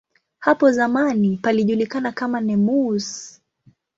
Hapo zamani palijulikana kama "Nemours".